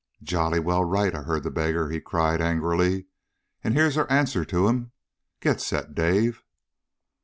"Jolly well right, I heard the beggar!" he cried angrily. "And here's our answer to him. Get set, Dave!"